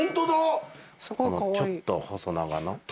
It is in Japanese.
ちょっと細長の。